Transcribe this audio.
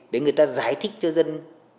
để người ta giải thích cho dân